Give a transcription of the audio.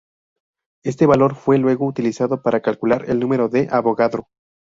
Este valor fue luego utilizado para calcular el número de Avogadro.